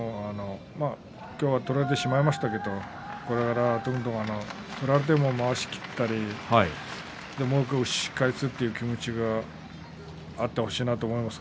今日は取られてしまいましたけれども取られても、まわしを切ったり押し返すという気持ちがあってほしいなと思います。